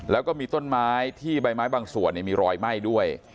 แล้วก็มีต้นไม้ที่ใบไม้บางส่วนมีรอยไหม้ด้วย